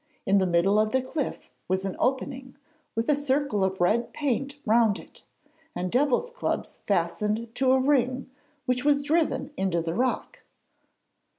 In the middle of the cliff was an opening with a circle of red paint round it, and devil clubs fastened to a ring which was driven into the rock.